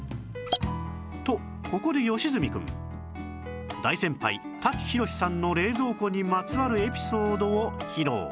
とここで良純くん大先輩舘ひろしさんの冷蔵庫にまつわるエピソードを披露